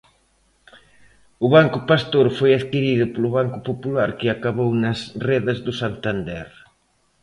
O Banco Pastor foi adquirido polo Banco Popular que acabou nas redes do Santander.